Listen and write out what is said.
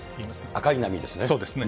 赤い波ですね。